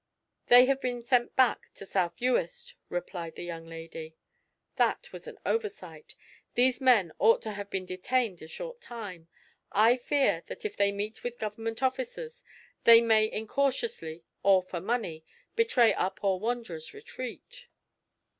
"They have been sent back to South Uist," replied the young lady. "That was an oversight. These men ought to have been detained a short time. I fear that if they meet with Government officers, they may incautiously, or for money, betray our poor wanderer's retreat."